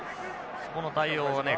そこの対応がね